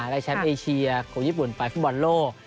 ใช้ชาร์มเอเชียแคลอร์คผู้ญี่ปุ่นไปฟุตบอลโลก